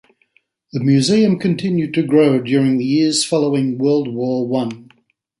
The museum continued to grow during the years following World War One.